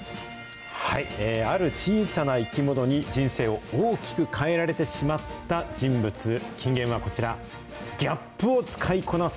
ある小さな生き物に人生を大きく変えられてしまった人物、金言はこちら、ギャップを使いこなせ。